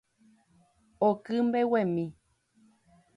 Oky mbeguemi